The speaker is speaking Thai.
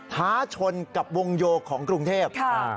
ท้าชนกับวงโยของกรุงเทพ